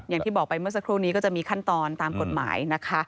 อย่างที่บอกไปเมื่อสักครู่นี้ก็จะมีขั้นตอนตามกฎหมายนะคะ